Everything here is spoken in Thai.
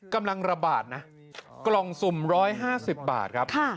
กำลังระบาดนะกล่องสุ่ม๑๕๐บาทครับ